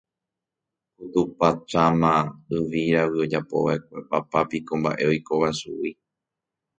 ku tupa tráma yvíragui ojapova'ekue papá piko mba'e oikóva chugui.